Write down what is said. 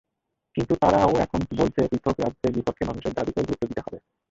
কিন্তু তারাও এখন বলছে, পৃথক রাজ্যের বিপক্ষের মানুষের দাবিকেও গুরুত্ব দিতে হবে।